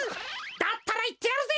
だったらいってやるぜ！